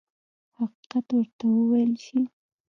حقیقت ورته وویل شي.